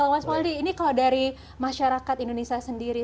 mas waldi ini kalau dari masyarakat indonesia sendiri